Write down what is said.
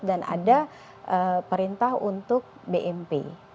dan ada perintah untuk bmp